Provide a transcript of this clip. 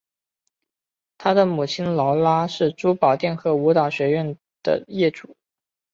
她的母亲劳拉是珠宝店和舞蹈学校的业主。